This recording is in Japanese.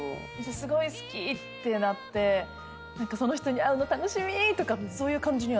すごい好き！ってなってその人に会うの楽しみ！とかそういう感じにはならない？